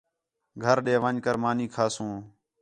گھر ݙے ون٘ڄ کر مانی کھاسوں